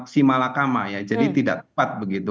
si malakama ya jadi tidak tepat begitu